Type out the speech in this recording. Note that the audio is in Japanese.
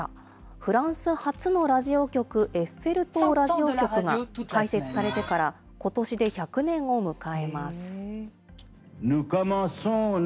フランス初のラジオ局、エッフェル塔ラジオ局が開設されてから、ことしで１００年を迎えます。